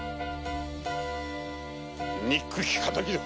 憎き仇だ。